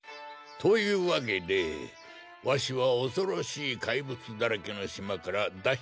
というわけでわしはおそろしいかいぶつだらけのしまからだっ